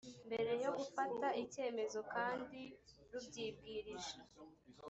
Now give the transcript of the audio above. mbere yo gufata icyemezo kandi rubyibwirije